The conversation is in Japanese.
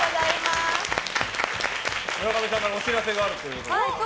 村上さんからお知らせがあるということで。